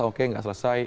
atau oke tidak selesai